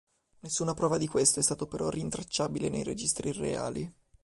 Nessuna prova di questo è stato però rintracciabile nei registri reali..